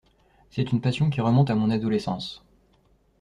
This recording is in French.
C’est une passion qui remonte à mon adolescence.